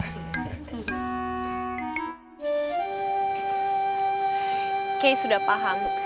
oke sudah paham